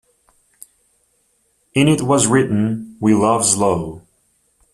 In it was written: "We love Slough".